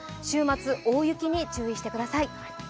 週末、大雪に注意してください。